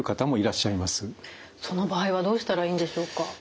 その場合はどうしたらいいんでしょうか？